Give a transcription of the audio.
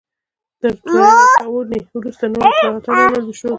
تر رایې ورکونې وروسته نور اصلاحات هم عملي شول.